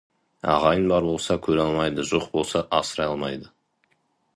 Ағайын бар болса, көре алмайды, жоқ болса, асырай алмайды.